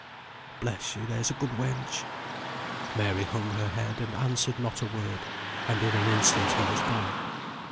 bless you, there's a good wench." Mary hung her head and answered not a word, and in an instant he was gone.